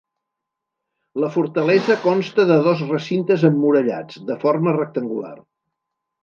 La fortalesa consta de dos recintes emmurallats, de forma rectangular.